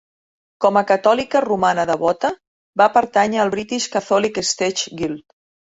Com a catòlica romana devota, va pertànyer al British Catholic Stage Guild.